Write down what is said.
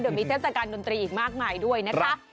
เดี๋ยวมีเทศกาลดนตรีอีกมากมายด้วยนะคะ